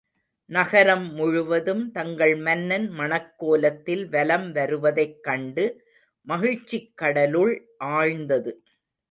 நகரம் முழுவதும் தங்கள் மன்னன் மணக்கோலத்தில் வலம் வருவதைக் கண்டு மகிழ்ச்சிக் கடலுள் ஆழ்ந்தது.